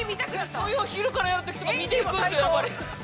◆これを昼からやるときとか見て行くんだよ。